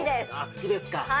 好きですか。